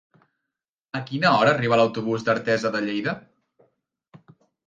A quina hora arriba l'autobús d'Artesa de Lleida?